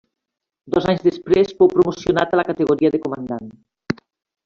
Dos anys després fou promocionat a la categoria de comandant.